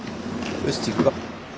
よしじゃ行くか。